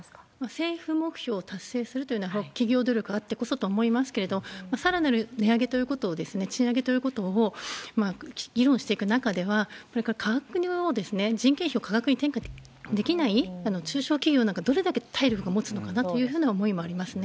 政府目標を達成するというのは、企業努力あってこそと思いますけれども、さらなる値上げということを、賃上げということを議論していく中では、これから人件費を価格に転化できない中小企業なんか、どれだけ体力がもつのかなというような思いもありますね。